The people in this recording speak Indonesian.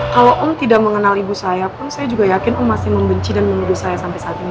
kalau om tidak mengenal ibu saya pun saya juga yakin om masih membenci dan menuduh saya sampai saat ini